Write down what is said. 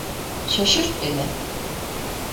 Şaşırt beni.